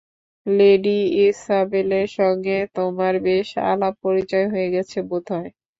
Lady ইসাবেলের সঙ্গে তোমার বেশ আলাপ-পরিচয় হয়ে গেছে বোধ হয়।